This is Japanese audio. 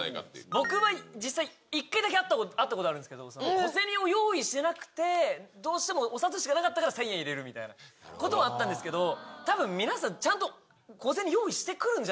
僕は実際、１回だけやったことあるんですけど、小銭を用意してなくて、どうしてもお札しかなかったから１０００円入れるみたいなことはあったんですけど、たぶん皆さん、ちゃんと小銭用意してくるんじゃ